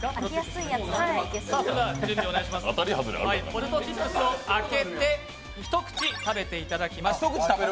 ポテトチップスを開けて一口食べていただきます。